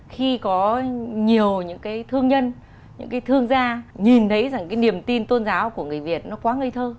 khi có nhiều những cái thương nhân những cái thương gia nhìn thấy rằng cái niềm tin tôn giáo của người việt nó quá ngây thơ